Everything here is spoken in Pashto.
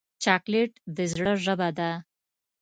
چاکلېټ د زړه ژبه ده.